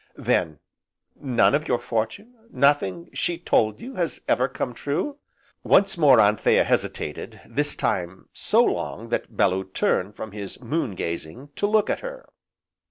"Then none of your fortune, nothing she told you has ever come true?" Once more Anthea hesitated, this time so long that Bellew turned from his moon gazing to look at her.